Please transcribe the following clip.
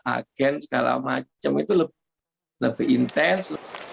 agen segala macam itu lebih intens